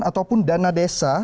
ataupun dana desa